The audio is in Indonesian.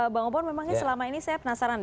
bang obon memangnya selama ini saya penasaran